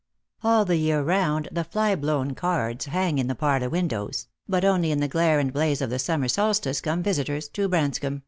All the year round the fly blown cards hang in the parlour win dows, but only in the glare and blaze of the summer solstice come visitors to Branscomb.